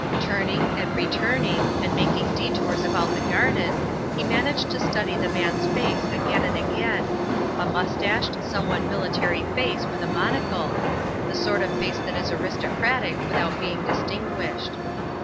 Turning and returning, and making detours about the garden, he managed to study the man's face again and again a moustached, somewhat military face with a monocle, the sort of face that is aristocratic without being distinguished.